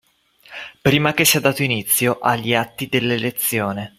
Prima che sia dato inizio agli atti dell'elezione